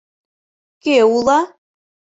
Кӧ уло?